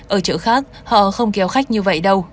ở chợ khác họ không kéo khách như vậy đâu